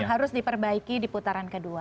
harus diperbaiki di putaran kedua